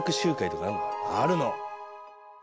あるの。